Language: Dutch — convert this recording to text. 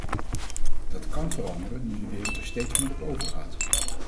Dat kan veranderen nu de wereld er steeds meer op overgaat.